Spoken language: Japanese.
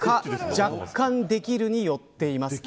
若干できるに寄っています。